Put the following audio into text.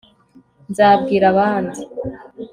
nzabwira abandi